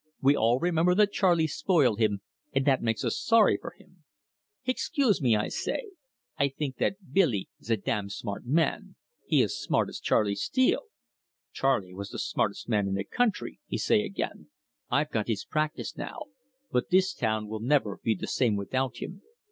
We all remember that Charley spoil him, and that make us sorry for him.' 'Excuse me,' I say. 'I think that Billy is a dam smart man. He is smart as Charley Steele.' 'Charley was the smartes' man in the country,' he say again. 'I've got his practice now, but this town will never be the same without him.